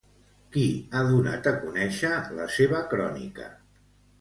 Qui ha donat a conèixer la seva crònica?